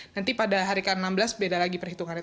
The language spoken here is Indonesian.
nanti pada hari ke enam belas beda lagi perhitungannya